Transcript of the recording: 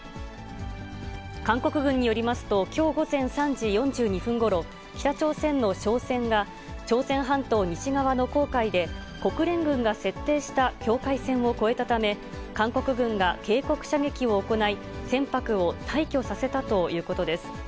韓国軍によりますと、きょう午前３時４２分ごろ、北朝鮮の商船が、朝鮮半島西側の黄海で、国連軍が設定した境界線を越えたため、韓国軍が警告射撃を行い、船舶を退去させたということです。